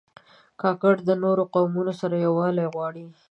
کاکړ د نورو قومونو سره یووالی غواړي.